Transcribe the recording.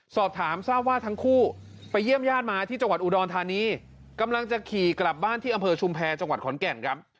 สอบถามทราบว่าทั้งคู่ไปเยี่ยมญาติมาที่จังหวัดอุดรธานีกำลังจะขี่กลับบ้านที่อำเภอชุมแพรจังหวัดขอนแก่นครับ